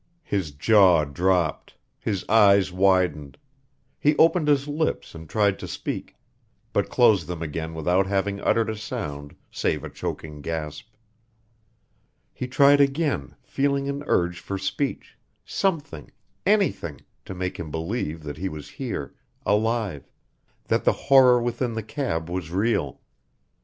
His jaw dropped, his eyes widened. He opened his lips and tried to speak, but closed them again without having uttered a sound save a choking gasp. He tried again, feeling an urge for speech something, anything, to make him believe that he was here, alive that the horror within the cab was real.